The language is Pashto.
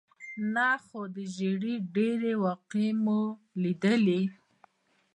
نه، خو د ژېړي ډېرې واقعې مې لیدلې.